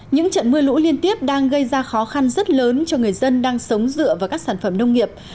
những trận mưa lũ liên tiếp đang gây ra khó khăn rất lớn cho người dân đang sống dựa vào các sản phẩm nông nghiệp